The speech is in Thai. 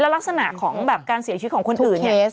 ลักษณะของแบบการเสียชีวิตของคนอื่นเนี่ย